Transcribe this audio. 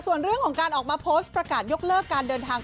ส่วนเรื่องของการออกมาโพสต์ประกาศยกเลิกการเดินทาง